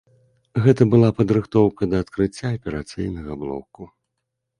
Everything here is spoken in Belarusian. Гэта была падрыхтоўка да адкрыцця аперацыйнага блоку.